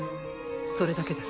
それだけです。